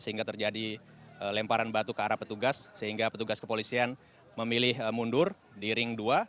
sehingga terjadi lemparan batu ke arah petugas sehingga petugas kepolisian memilih mundur di ring dua